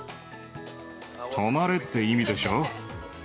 止まれって意味でしょ。